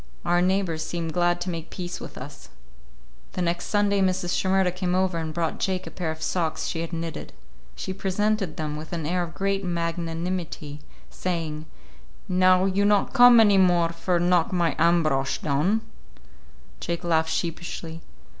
Our neighbors seemed glad to make peace with us. The next Sunday Mrs. Shimerda came over and brought Jake a pair of socks she had knitted. She presented them with an air of great magnanimity, saying, "Now you not come any more for knock my Ambrosch down?" Jake laughed sheepishly.